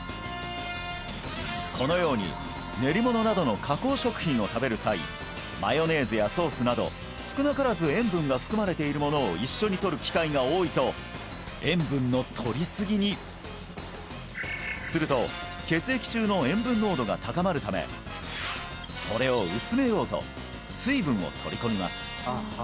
このように練り物などの加工食品を食べる際マヨネーズやソースなど少なからず塩分が含まれているものを一緒に取る機会が多いと塩分の取りすぎにすると血液中の塩分濃度が高まるためそれを薄めようと水分を取り込みます